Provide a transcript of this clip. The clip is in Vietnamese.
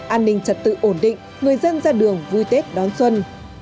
an ninh trật tự ổn định người dân ra đường vui tết đón xuân